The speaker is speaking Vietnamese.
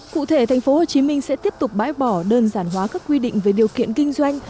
cụ thể tp hcm sẽ tiếp tục bãi bỏ đơn giản hóa các quy định về điều kiện kinh doanh